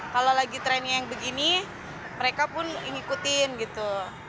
kalau lagi trendnya yang begini mereka pun ikutin gitu